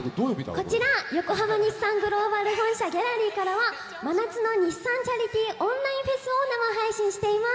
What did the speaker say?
こちら、横浜日産グローバル本社ギャラリーからは、真夏の日産チャリティーオンラインフェスを生配信しています。